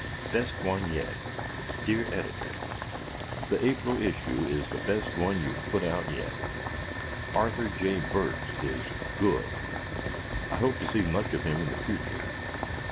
"Best One Yet" Dear Editor: The April issue is the best one you have put out yet. Arthur J. Burks is GOOD. I hope to see much of him in the future.